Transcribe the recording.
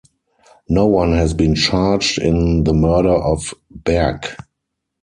No one has been charged in the murder of Berg.